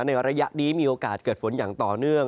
ในระยะนี้มีโอกาสเกิดฝนอย่างต่อเนื่อง